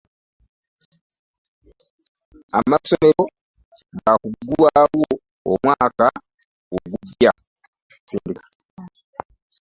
Amasomero gaakuggulwaawo omwaka oguggya.